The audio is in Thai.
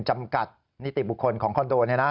จำกัดนิติบุคคลของคอนโด